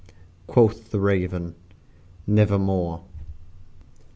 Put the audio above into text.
Quoth the Raven "Nevermore."